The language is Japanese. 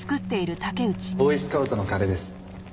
ボーイスカウトのカレーです。